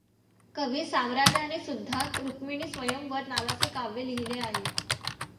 कवि सामराजानेसुद्धा रुक्मिणीस्वयंवर नावाचे काव्य लिहिले आहे.